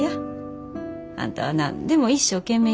あんたは何でも一生懸命やるやろ。